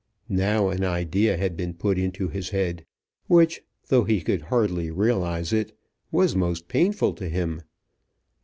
Now an idea had been put into his head which, though he could hardly realize it, was most painful to him.